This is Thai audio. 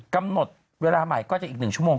กำหนดเวลาใหม่ก็จะอีก๑ชั่วโมง